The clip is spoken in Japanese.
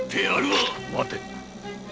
待て！